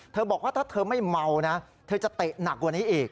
บอกว่าถ้าเธอไม่เมานะเธอจะเตะหนักกว่านี้อีก